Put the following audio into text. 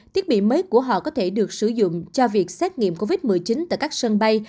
thiết bị mới của họ có thể được sử dụng cho việc xét nghiệm covid một mươi chín tại các sân bay